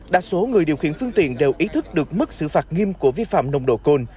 đa số người điều khiển phương tiện đều ý thức được mức xử phạt nghiêm của vi phạm nồng độ cồn